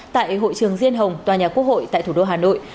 tại hội trường diên hồng tòa nhà quốc hội tại thủ đô hà nội